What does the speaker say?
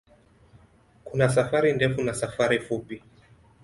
Kuna safari ndefu na safari fupi.